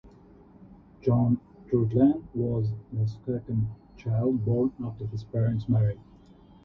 John Treutlen was the second child born after his parents married.